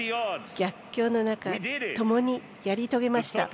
逆境の中、ともにやり遂げました。